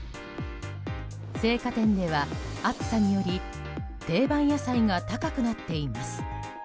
青果店では暑さにより定番野菜が高くなっています。